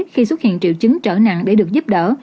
khi xuất hiện triệu chứng trở nặng để được giúp đỡ